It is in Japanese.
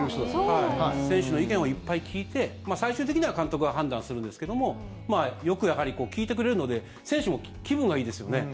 選手の意見をいっぱい聞いて最終的には監督が判断するんですけどもよくやはり聞いてくれるので選手も気分がいいですよね。